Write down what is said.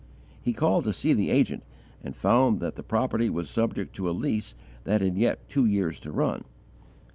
He called to see the agent, and found that the property was subject to a lease that had yet two years to run.